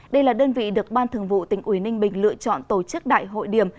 đây là đơn vị được ban thường vụ tỉnh ủy ninh bình lựa chọn tổ chức đại hội điểm